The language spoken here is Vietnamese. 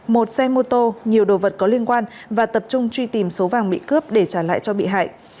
một xe mô tô nhiều đồ vật có liên quan và tập trung truy tìm số vàng bị cướp để trả lại cho bị hại